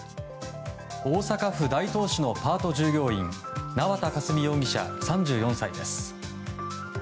大阪府大東市のパート従業員縄田佳純容疑者、３４歳です。